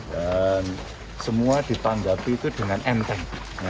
dan semua ditanggapi itu dengan enteng